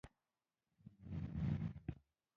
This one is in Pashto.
په دې وخت کې مې یوې بلې همکارې استعفا ورکړه.